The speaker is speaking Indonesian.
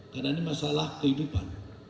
karena ini masalah kehidupan